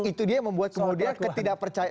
itu dia yang membuat kemudian ketidak percaya